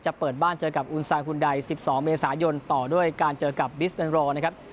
จะเปิดบ้านเจอกับอุณสารคุณใดสิบสองเมษายนต่อด้วยการเจอกับบิสเป็นรอนะครับ